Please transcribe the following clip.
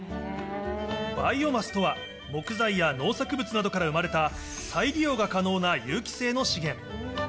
バイオマスとは、木材や農作物などから生まれた、再利用が可能な有機性の資源。